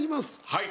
はい。